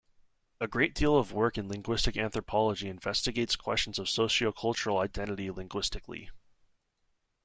A great deal of work in linguistic anthropology investigates questions of sociocultural identity linguistically.